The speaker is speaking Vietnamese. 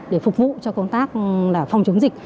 để phục vụ cho công tác phòng chống dịch